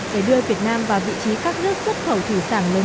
để đưa việt nam vào vị trí các nước xuất khẩu thủy sản lớn nhất thế giới